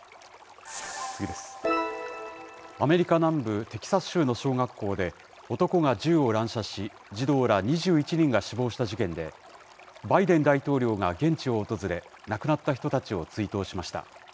アメリカ南部テキサス州の小学校で、男が銃を乱射し、児童ら２１人が死亡した事件で、バイデン大統領が現地を訪れ、亡くなった人たちを追悼しました。